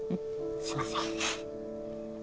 すいません。